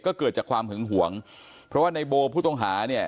ก็เกิดจากความหึงหวงเพราะว่าในโบผู้ต้องหาเนี่ย